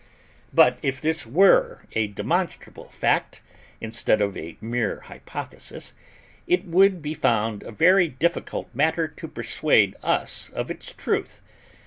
But if this were a demonstrable fact, instead of a mere hypothesis, it would be found a very difficult matter to persuade us of its truth.